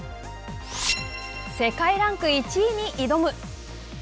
世界ランク１位に挑む。